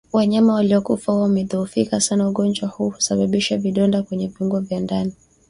Wanyama waliokufa huwa wamedhoofika sana Ugonjwa huu hausababishi vidonda kwenye viungo vya ndani